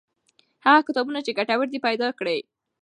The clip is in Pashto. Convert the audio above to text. هغه کتابونه چې ګټور دي پیدا کړئ.